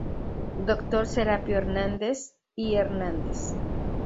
Doctor Serapio Hernández y Hernández.